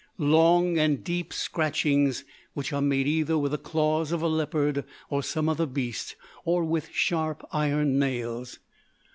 _, long and deep scratchings, which are made either with the claws of a leopard or some other beast, or with sharp iron nails.